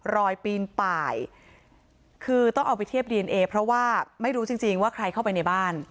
ปีนป่ายคือต้องเอาไปเทียบดีเอนเอเพราะว่าไม่รู้จริงจริงว่าใครเข้าไปในบ้าน